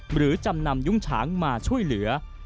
หรือจำนำยุ้งฉางมาช่วยเหลือ